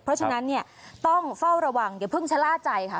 เพราะฉะนั้นเนี่ยต้องเฝ้าระวังอย่าเพิ่งชะล่าใจค่ะ